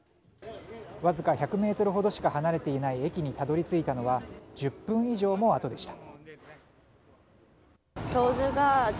わずか１００ｍほどしか離れていない駅にたどり着いたのは１０分以上もあとでした。